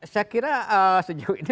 saya kira sejauh ini